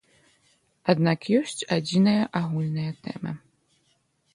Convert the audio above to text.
Аднак ёсць адзіная агульная тэма.